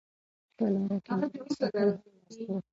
په لاره کې نور مسافر هم ناست وو.